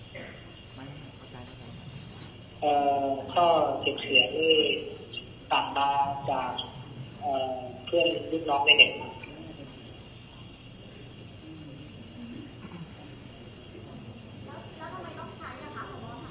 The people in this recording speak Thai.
แต่ข้อเก็บเสียงนี่ต่างบางจากเพื่อนลูกน้องในเด็ก